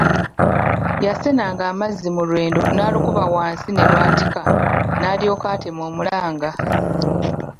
Yasenanga amazzi mu lwendo n'alukuba wansi ne lwatika, n'alyoka atema omulanga.